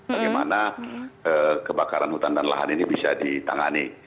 bagaimana kebakaran hutan dan lahan ini bisa ditangani